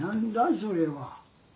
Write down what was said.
それは。